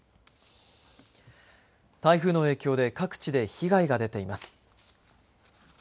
台風の影響で各地で被害が出ています。